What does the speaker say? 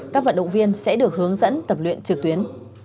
các vận động viên sẽ được hướng dẫn tập luyện trực tuyến